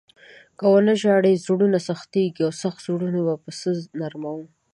که و نه ژاړو، زړونه سختېږي او سخت زړونه به په څه نرموو؟